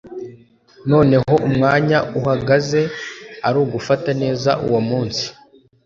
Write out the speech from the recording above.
noneho umwanya uhagaze uragufata neza uwo munsi